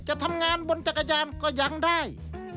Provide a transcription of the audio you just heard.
จะทำงานบนจักรยานก็ยังได้